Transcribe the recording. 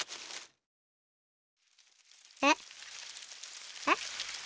えっ？えっ？